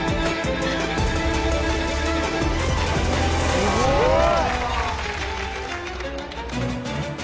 すごーい。